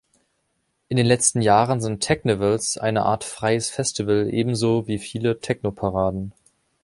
In den letzten Jahren sind Teknivals eine Art freies Festival, ebenso wie viele Technoparaden.